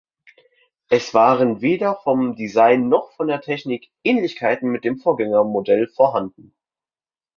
Es waren weder vom Design noch von der Technik Ähnlichkeiten mit dem Vorgängermodell vorhanden.